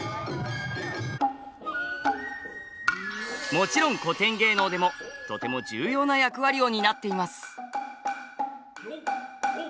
もちろん古典芸能でもとても重要な役割を担っています。